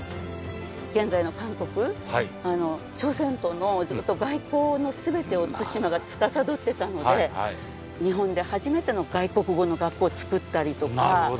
現在の韓国朝鮮との外交のすべてを対馬がつかさどってたので日本で初めての外国語の学校を造ったりとか。